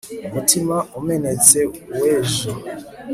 umutima umenetse w'ejo